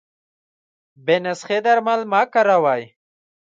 بې نسخي درمل مه کاروی